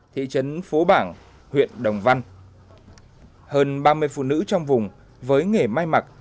trên phố bảng huyện đồng văn hơn ba mươi phụ nữ trong vùng với nghề may mặc